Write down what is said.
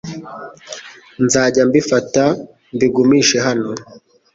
Nzajya mbifata mbigumishe hano